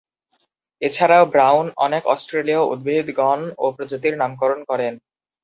এছাড়াও ব্রাউন অনেক অস্ট্রেলীয় উদ্ভিদ গণ ও প্রজাতির নামকরণ করেন।